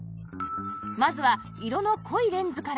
まずは色の濃いレンズから